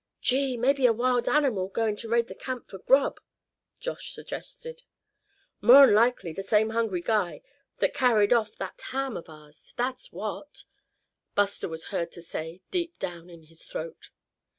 "Gee! mebbe a wild animal goin' to raid the camp for grub!" Josh suggested. "More'n likely the same hungry guy that carried off that ham of ours, that's what," Buster was just heard to say, deep down in his throat.